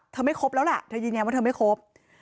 เธอไม่ครบแล้วล่ะเธอยินอย่างว่าเธอไม่ครบ